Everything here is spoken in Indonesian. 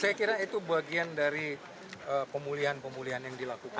saya kira itu bagian dari pemulihan pemulihan yang dilakukan